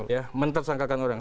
ya mentersangkalkan orang